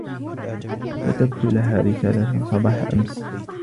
كتبت لها رسالةً صباح أمس.